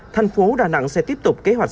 thành phố đà nẵng sẽ tiếp tục kế hoạch